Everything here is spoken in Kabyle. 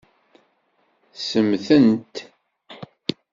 Semmtent.